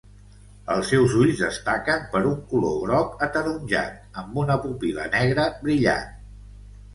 Els seus ulls destaquen per un color groc ataronjat amb una pupil·la negra brillant.